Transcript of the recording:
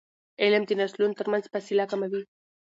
علم د نسلونو ترمنځ فاصله کموي.